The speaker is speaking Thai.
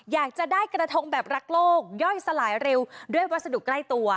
อยากจะได้กระทงแบบรักโลกย่อยสลายเร็วด้วยวัสดุใกล้ตัว